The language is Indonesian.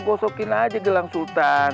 gosokin aja gelang sultan